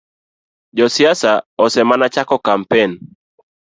Josiasa osemana chako kampen